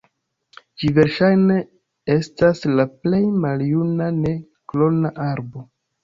Ĝi verŝajne estas la plej maljuna ne-klona arbo.